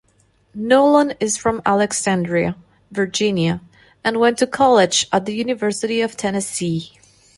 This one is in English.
Nolan is from Alexandria, Virginia and went to college at the University of Tennessee.